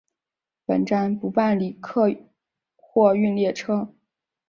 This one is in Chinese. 本站不办理客货运列车。